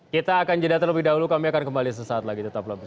kita akan jadat lebih dahulu kami akan kembali sesaat lagi tetap bersama kami